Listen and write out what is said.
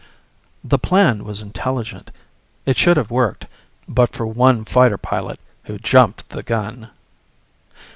The plan was intelligent. It should have worked, but for one fighter pilot who jumped the gun.